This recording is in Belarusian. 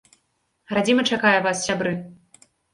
Радзіма чакае вас, сябры.